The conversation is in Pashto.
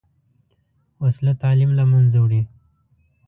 وسله تعلیم له منځه وړي